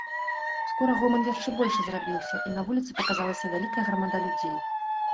Скора гоман яшчэ большы зрабіўся, і на вуліцы паказалася вялікая грамада людзей.